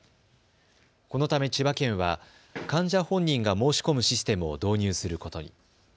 このため千葉県は患者本人が申し込むシステムを導入することに。